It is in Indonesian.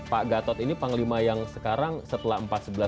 pak gatot ini panglima yang sekarang setelah empat sebelas dua ratus dua belas